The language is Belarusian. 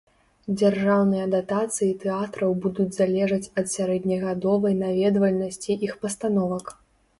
Дзяржаўныя датацыі тэатраў будуць залежаць ад сярэднегадавой наведвальнасці іх пастановак.